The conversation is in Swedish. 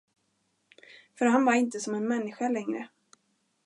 För han var inte som en människa längre.